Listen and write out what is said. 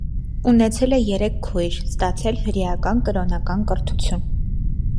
Ունեցել է երեք քույր, ստացել հրեական կրոնական կրթություն։